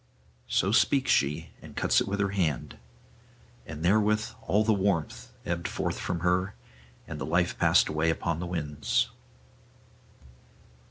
So speaks she, and cuts it with her hand. And therewith all the warmth ebbed forth from her, and the life passed away upon the winds.